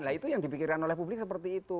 nah itu yang dipikirkan oleh publik seperti itu